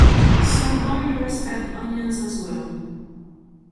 Some boilers add onions as well.